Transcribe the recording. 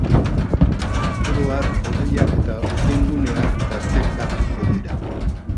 Oro har hodeiak eta urdinguneak tartekatuko dira.